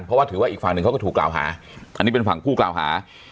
เพราะว่าถือว่าอีกฝั่งหนึ่งเขาก็ถูกกล่าวหาอันนี้เป็นฝั่งผู้กล่าวหา